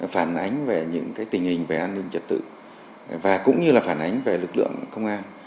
phản ánh về những tình hình về an ninh trật tự và cũng như là phản ánh về lực lượng công an